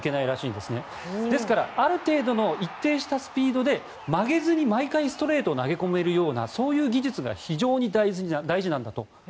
ですから、ある程度の一定したスピードで曲げずに毎回、ストレートを投げ込めるようなそういう技術が非常に大事なんだと。